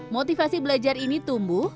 motivasi belajar ini tumbuh